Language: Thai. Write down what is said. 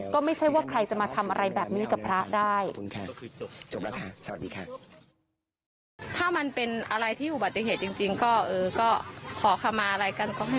ก็ไม่ใช่ว่าใครจะมาทำอะไรแบบนี้กับพระได้